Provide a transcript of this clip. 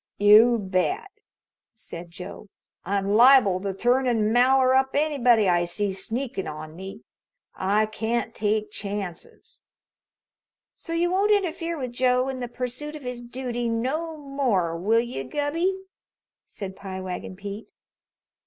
"You bet," said Joe. "I'm liable to turn an' maller up anybody I see sneakin' on me. I can't take chances." "So you won't interfere with Joe in the pursoot of his dooty no more, will you, Gubby?" said Pie Wagon Pete.